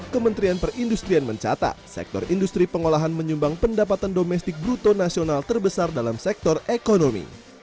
kementerian perindustrian mencatat sektor industri pengolahan menyumbang pendapatan domestik bruto nasional terbesar dalam sektor ekonomi